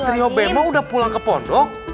trio bemo udah pulang ke pondok